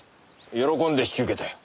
喜んで引き受けたよ。